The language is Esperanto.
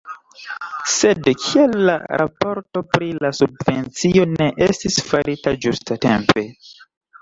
Sed kial la raporto pri la subvencio ne estis farita ĝustatempe?